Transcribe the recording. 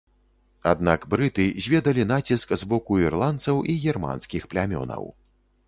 Аднак брыты зведалі націск з боку ірландцаў і германскіх плямёнаў.